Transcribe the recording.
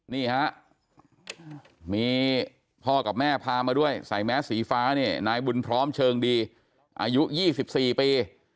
นี่ฮะมีพ่อกับแม่พามาด้วยใส่แมสสีฟ้าเนี่ยนายบุญพร้อมเชิงดีอายุ๒๔ปี